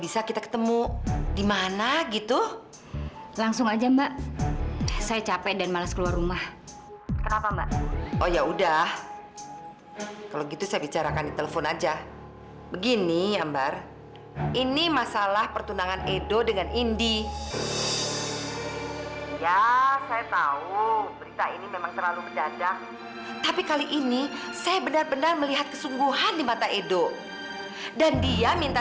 sampai jumpa di video selanjutnya